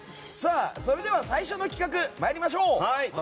それでは最初の企画参りましょう。